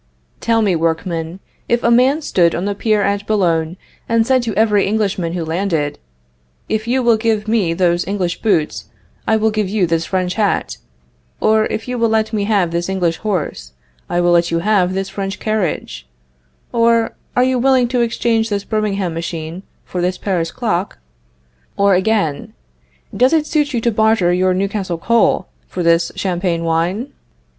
Tell me, workmen, if a man stood on the pier at Boulogne, and said to every Englishman who landed: If you will give me those English boots, I will give you this French hat; or, if you will let me have this English horse, I will let you have this French carriage; or, Are you willing to exchange this Birmingham machine for this Paris clock? or, again, Does it suit you to barter your Newcastle coal for this Champagne wine?